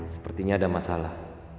sepertinya ada masalah